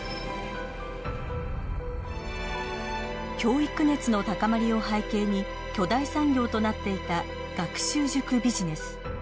教育熱の高まりを背景に巨大産業となっていた学習塾ビジネス。